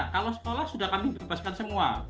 kalau sekolah sudah kami bebaskan semua